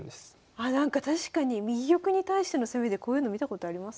あなんか確かに右玉に対しての攻めでこういうの見たことありますね。